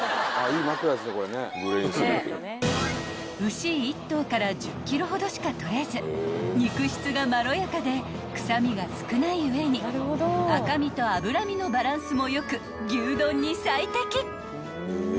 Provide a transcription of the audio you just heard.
［牛１頭から１０ｋｇほどしか取れず肉質がまろやかで臭みが少ない上に赤身と脂身のバランスも良く牛丼に最適］